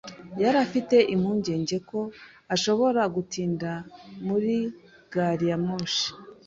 Yari afite impungenge ko ashobora gutinda muri gari ya moshi.